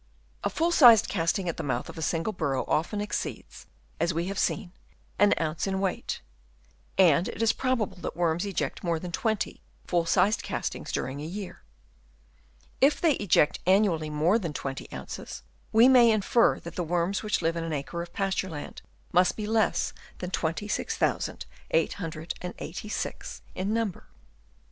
A full sized casting at the mouth of a single burrow often exceeds, as we have seen, an ounce in weight ; and it is probable that worms eject more than 20 full sized castings during a year. If they eject annually more than 20 ounces, we may infer that the worms which live in an acre of pasture land must be less than 26,886 in number.